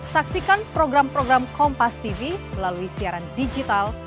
saksikan program program kompas tv melalui siaran digital